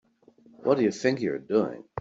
What do you think you're doing?